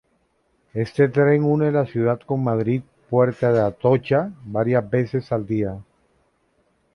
Este tren une la ciudad con Madrid-Puerta de Atocha varias veces al día.